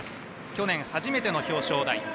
去年、初めての表彰台。